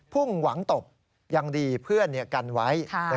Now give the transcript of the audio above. พุ่งหวังตบยังดีเพื่อนกันไว้